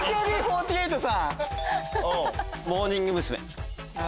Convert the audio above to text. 「モーニング娘。」。